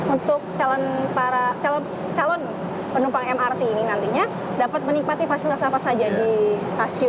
untuk calon penumpang mrt ini nantinya dapat menikmati fasilitas apa saja di stasiun